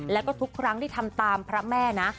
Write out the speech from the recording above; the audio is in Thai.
แล้วก็ทุกครั้งที่ทำตามพระแม่นะ